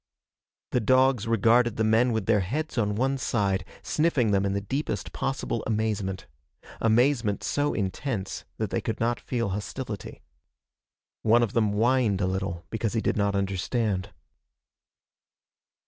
The dogs regarded the men with their heads on one side, sniffing them in the deepest possible amazement amazement so intense that they could not feel hostility. One of them whined a little because he did not understand.